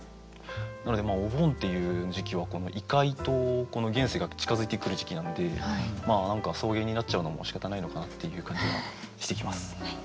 なのでお盆っていう時期は異界とこの現世が近づいてくる時期なので草原になっちゃうのもしかたないのかなっていう感じがしてきます。